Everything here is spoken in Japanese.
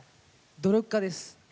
努力家です。